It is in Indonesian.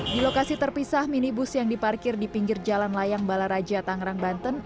di lokasi terpisah minibus yang diparkir di pinggir jalan layang balaraja tangerang banten